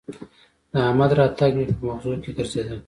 د احمد راتګ مې به مغزو کې ګرځېدل